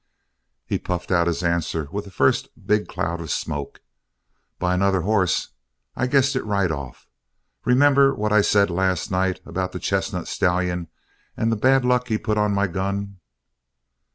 He puffed out his answer with the first big cloud of smoke: "By another hoss! I guessed it right off. Remember what I said last night about the chestnut stallion and the bad luck he put on my gun?"